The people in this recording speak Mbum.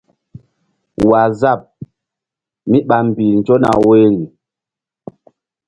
Waazap mí ɓa mbih nzo na woyri.